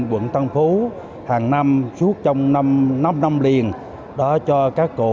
quận tân phú hàng năm suốt trong năm năm liền đã cho các cụ